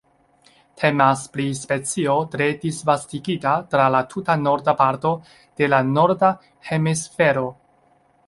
Temas pri specio tre disvastigita tra la tuta norda parto de la Norda Hemisfero.